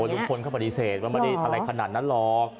ลุงพลเขาปฏิเสธว่าไม่ได้อะไรขนาดนั้นหรอก